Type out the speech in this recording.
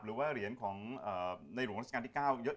หรือว่าเหรียญของในหลวงรัฐกาลที่๙